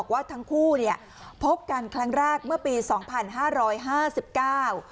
ว่าทั้งคู่เนี่ยพบกันครั้งแรกเมื่อปีสองพันห้าร้อยห้าสิบเก้า